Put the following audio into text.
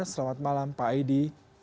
selamat malam pak aidi